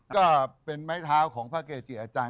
ก็เป็นไม้เท้าของพระเกจิอาจารย์